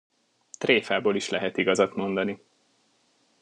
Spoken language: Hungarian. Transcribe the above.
Tréfából is lehet igazat mondani.